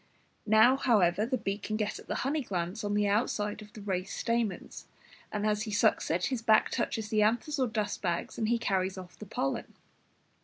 Now, however, the bee can get at the honey glands on the outside of the raised stamens; and as he sucks it, his back touches the anthers or dust bags, and he carries off the pollen.